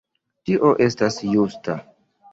Tio estas justa.